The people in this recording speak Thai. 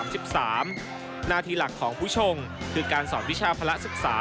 หน้าที่หลักของผู้ชงคือการสอนวิชาภาระศึกษา